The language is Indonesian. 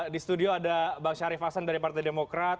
di studio ada bang syari fasan dari partai demokrat